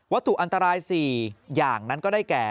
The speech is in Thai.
ตุอันตราย๔อย่างนั้นก็ได้แก่